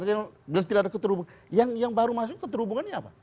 yang baru masuk keterhubungannya apa